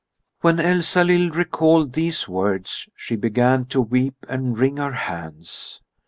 When Elsalill recalled these words she began to weep and wring her hands.